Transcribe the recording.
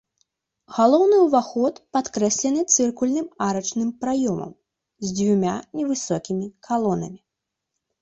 Галоўны ўваход падкрэслены цыркульным арачным праёмам з дзюма невысокімі калонамі.